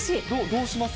どうします？